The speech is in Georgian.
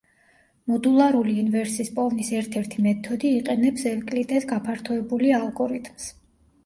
მოდულარული ინვერსის პოვნის ერთ-ერთი მეთოდი იყენებს ევკლიდეს გაფართოებული ალგორითმს.